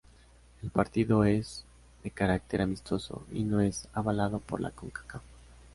El partido es de carácter amistoso y no es avalado por la Concacaf.